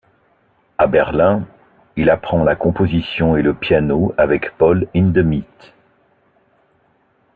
À Berlin, il apprend la composition et le piano avec Paul Hindemith.